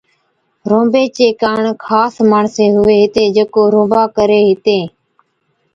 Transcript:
رونبي چي ڪاڻ خاص ماڻسين هُوي هِتين جڪو رونبا ڪرين هِتين۔